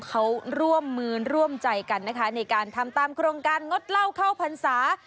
เขาร่วมเมือนร่วมใจกันในการทำตามโครงการงดเหล้าข้าวผันสา